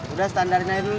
udah standarnya idulid